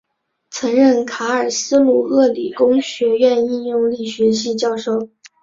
曾任卡尔斯鲁厄理工学院应用力学系教授。